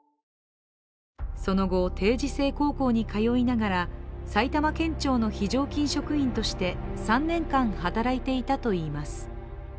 その後、定時制高校に通いながら埼玉県庁の非常勤職員として３年間働いていたといいます。